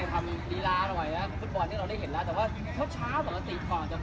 สมัยที่ที่บอกว่ายอธไทยตอนเดิม